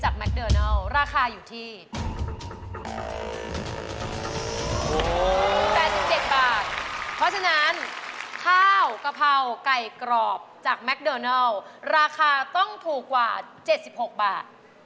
เพราะฉะนั้นข้าวกะเพราไก่กรอบจากแมคโดนัลราคาต้องถูกกว่า๗๖บาท